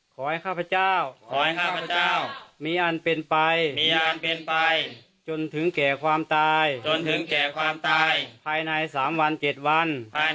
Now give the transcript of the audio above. ข้อยข้าพเจ้ามีอันเป็นไปจนถึงแก่ความตายภายในสามวันเจ็ดวัน